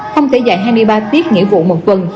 không thể dạy hai mươi ba tiết nghĩa vụ một tuần